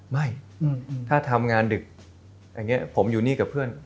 ไม่ถ้าทำงานดึกผมอยู่นี่กับเพื่อน